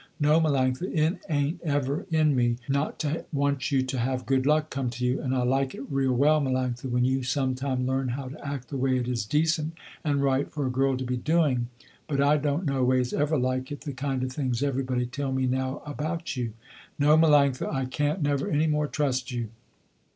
No Melanctha it ain't ever in me, not to want you to have good luck come to you, and I like it real well Melanctha when you some time learn how to act the way it is decent and right for a girl to be doing, but I don't no ways ever like it the kind of things everybody tell me now about you. No Melanctha, I can't never any more trust you.